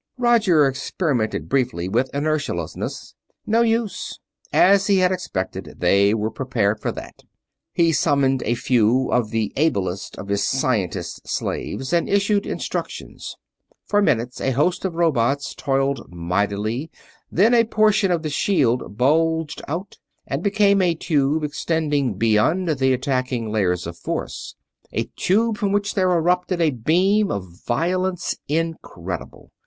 Roger experimented briefly with inertialessness. No use. As he had expected, they were prepared for that. He summoned a few of the ablest of his scientist slaves and issued instructions. For minutes a host of robots toiled mightily, then a portion of the shield bulged out and became a tube extending beyond the attacking layers of force; a tube from which there erupted a beam of violence incredible.